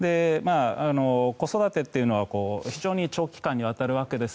子育てというのは非常に長期間にわたるわけです。